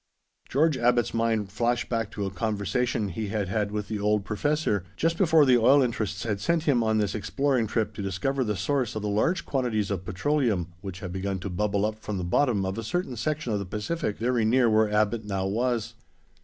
George Abbot's mind flashed back to a conversation he had had with the old professor, just before the oil interests had sent him on this exploring trip to discover the source of the large quantities of petroleum which had begun to bubble up from the bottom of a certain section of the Pacific very near where Abbot now was.